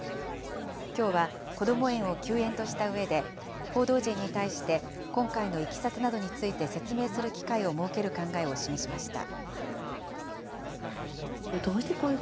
きょうはこども園を休園としたうえで、報道陣に対して今回のいきさつなどについて説明する機会を設ける考えを示しました。